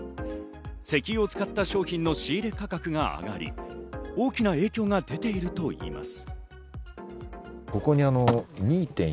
石油を使った商品の仕入れ価格が上がり、大きな影響が出ているといいます。